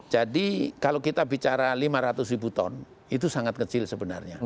jadi kalau kita bicara rp lima ratus itu sangat kecil sebenarnya